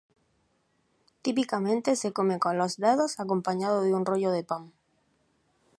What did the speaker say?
Típicamente se come con los dedos, acompañado de un rollo de pan.